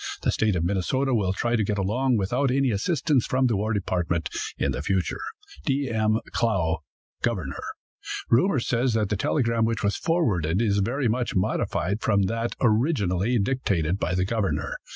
The State of Minnesota will try to get along without any assistance from the war department in the future. "D. M. CLOUGH, "Governor." Rumor says that the telegram which was forwarded is very much modified from that originally dictated by the governor.